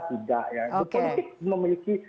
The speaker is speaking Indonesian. tidak politik memiliki